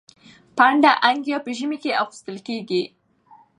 پنډه انګيا په ژمي کي اغوستل کيږي.